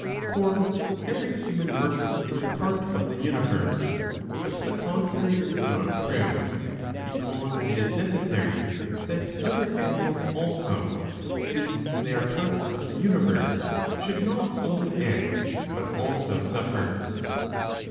For every human work is a part of the universe, but the contrary is not true, because it is necessary that other animals also, since they are parts of the universe, should not only * act, but also suffer.